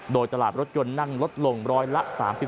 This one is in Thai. โดยตลาดรถยนต์นั่งลดลงร้อยละ๓๔